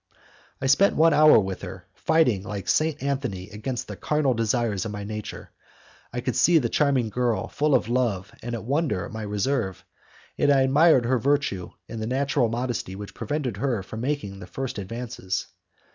I spent one hour with her, fighting like Saint Anthony against the carnal desires of my nature. I could see the charming girl full of love and of wonder at my reserve, and I admired her virtue in the natural modesty which prevented her from making the first advances.